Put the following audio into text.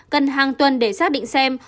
cần hàng tuần để xác định xem